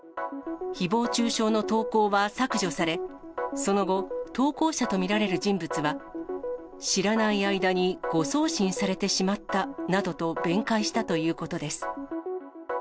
ひぼう中傷の投稿は削除され、その後、投稿者と見られる人物は、知らない間に誤送信されてしまったなどと弁解したということです。